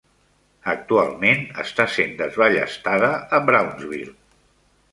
Actualment està sent desballestada a Brownsville.